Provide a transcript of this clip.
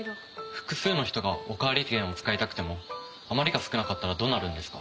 複数の人がおかわり券を使いたくても余りが少なかったらどうなるんですか？